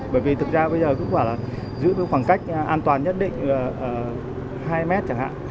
bởi vì thực ra bây giờ cứ quả là giữ khoảng cách an toàn nhất định hai mét chẳng hạn